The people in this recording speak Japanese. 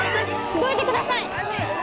どいてください！